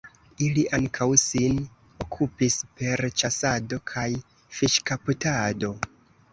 Ili ankaŭ sin okupis per ĉasado kaj fiŝkaptado.